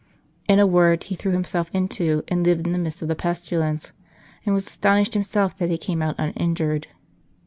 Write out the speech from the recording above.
In a word, he threw himself into, and lived in the midst of, 145 L St. Charles Borromeo the pestilence, and was astonished himself that he came out uninjured."